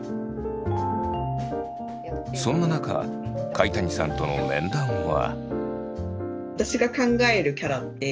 そんな中甲斐谷さんとの面談は。